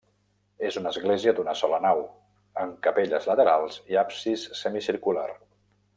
És una església d'una sola nau, amb capelles laterals i absis semicircular.